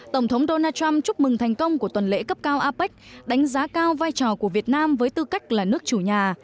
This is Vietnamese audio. tổng thống donald trump chúc mừng thành công của tuần lễ cấp cao apec đánh giá cao vai trò của việt nam với tư cách là nước chủ nhà